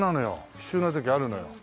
必要な時あるのよ